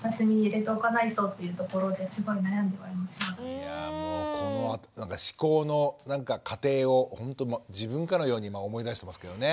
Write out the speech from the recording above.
いやこの思考の過程を自分かのように今思い出してますけどね。